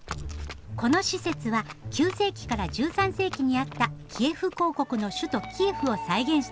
この施設は９世紀から１３世紀にあった「キエフ公国」の首都キエフを再現したんだって。